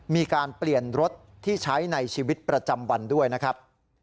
มีการเปลี่ยนรถที่ใช้ในชีวิตประจำวันด้วยนะครับ